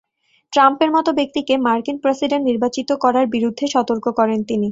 ট্রাম্পের মতো ব্যক্তিকে মার্কিন প্রেসিডেন্ট নির্বাচিত করার বিরুদ্ধে সতর্ক করেন তিনি।